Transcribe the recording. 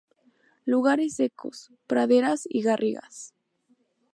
Lugares secos, praderas y garrigas.